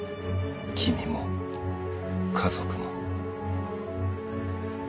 君も家族も。